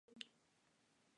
干元元年仍为黄州。